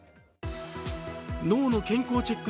脳の健康チェック